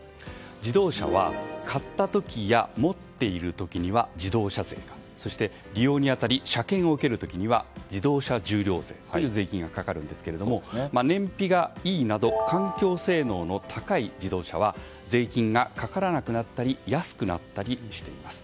自動車は買った時や持っている時には自動車税そして、利用に当たり車検を受ける時には自動車重量税という税金がかかりますが燃費がいいなど環境性能の高い自動車は税金がかからなくなったり安くなったりしています。